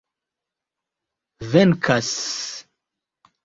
venkas